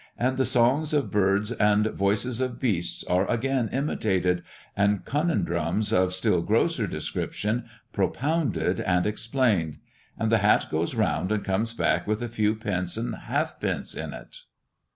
And the songs of birds and voices of beasts are again imitated, and conundrums of a still grosser description propounded and explained; and the hat goes round and comes back with a few pence and half pence in it.